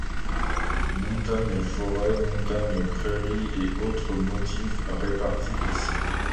Montagne-forêt, montagne-prairie et autres motifs répartis ici.